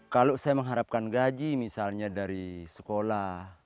kalau saya mengharapkan gaji misalnya dari sekolah